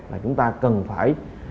là chúng ta cần phải